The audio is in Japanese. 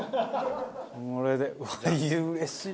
これでうれしいな。